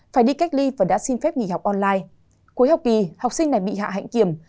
phải đi cách ly và đã xin phép nghỉ học online cuối học kỳ học sinh này bị hạ hạnh kiểm